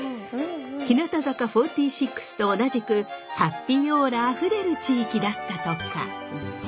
日向坂４６と同じくハッピーオーラあふれる地域だったとか。